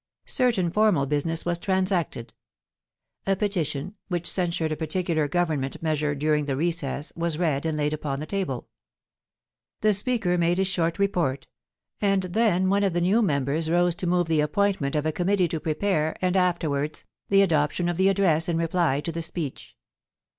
Certain formal business was transacted. A p>etition, which censured a particular Government measure during the recess, was read and laid upon the table. The Speaker made his short report ; and then one of the new members rose to move the appointment of a committee to prepare, and after wards, the adoption of the Address in reply to the Speech.